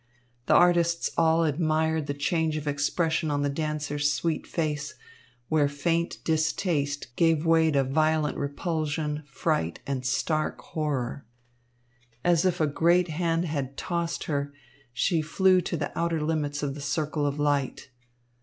The artists all admired the change of expression on the dancer's sweet face, where faint distaste gave way to violent repulsion, fright and stark horror. As if a great hand had tossed her, she flew to the outer limits of the circle of light.